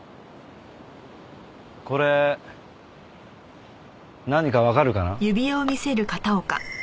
これ何かわかるかな？